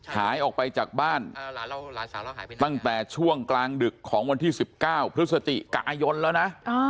หายออกไปจากบ้านตั้งแต่ช่วงกลางดึกของวันที่๑๙พฤศจิกายนแล้วนะ